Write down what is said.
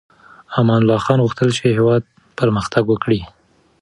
امان الله خان غوښتل چې هېواد پرمختګ وکړي.